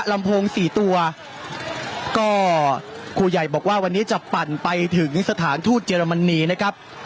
ลำโพงสี่ตัวก็ครูใหญ่บอกว่าวันนี้จะปั่นไปถึงสถานทูตเยอรมนีนะครับ